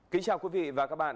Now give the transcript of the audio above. kính chào quý vị và các bạn